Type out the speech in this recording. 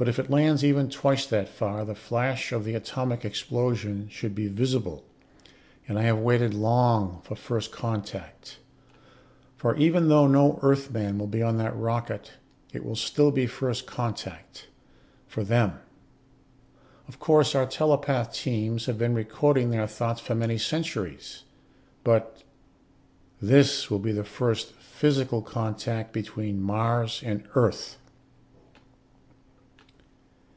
But if it lands even twice that far the flash of the atomic explosion should be visible. And I have waited long for first contact. For even though no Earthman will be on that rocket, it will still be first contact for them. Of course our telepath teams have been reading their thoughts for many centuries, but this will be the first physical contact between Mars and Earth."